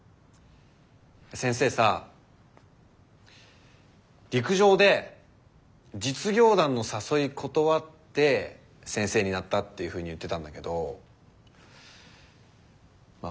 先生さ陸上で実業団の誘い断って先生になったっていうふうに言ってたんだけどまあ